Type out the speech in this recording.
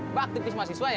mbak aktifis mahasiswa ya